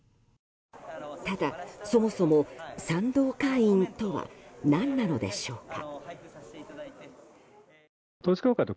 ただ、そもそも賛同会員とは何なのでしょうか。